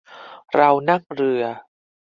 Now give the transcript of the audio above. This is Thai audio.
เรานั่งเรือ